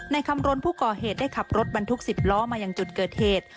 คำรณผู้ก่อเหตุได้ขับรถบรรทุก๑๐ล้อมาอย่างจุดเกิดเหตุ